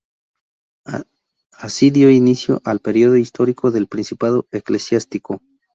Así, dio inicio al periodo histórico del principado eclesiástico.